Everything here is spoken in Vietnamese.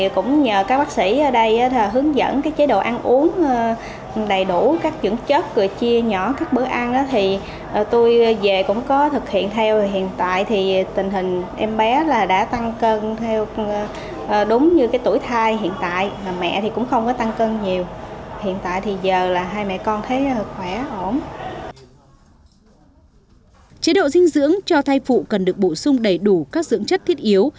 chế độ dinh dưỡng cho thai phụ cần được bổ sung đầy đủ các dưỡng chất thiết yếu